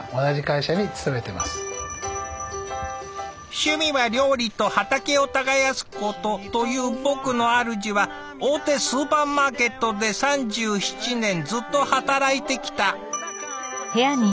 趣味は料理と畑を耕すことという僕のあるじは大手スーパーマーケットで３７年ずっと働いてきた。